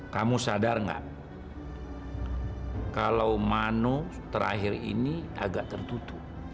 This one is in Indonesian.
kamu sadar gak kalau mano terakhir ini agak tertutup